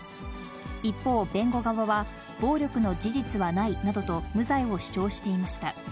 一方、弁護側は、暴力の事実はないなどと無罪を主張していました。